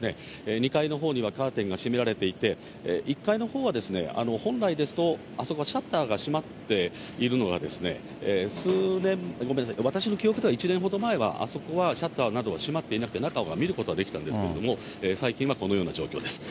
２階のほうにはカーテンが閉められていて、１階のほうは本来ですと、あそこはシャッターが閉まっているのが、私の記憶では１年ほど前は、あそこはシャッターなどは閉まっていなくて、中を見ることができたんですけれども、最近はこのような状況です。